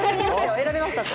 「選びました」って。